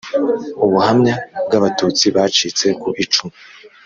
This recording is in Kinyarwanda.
ubuhamya bw'abatutsi bacitse ku icumu